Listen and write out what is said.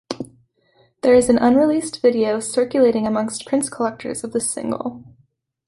There is an unreleased video circulating amongst Prince collectors of this single.